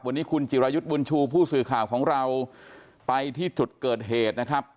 วันนี้คุณจิรายุทธ์บุญชูผู้สื่อข่าวของเราไปที่จุดเกิดเหตุนะครับ